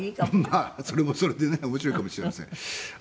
まあそれもそれでね面白いかもしれません。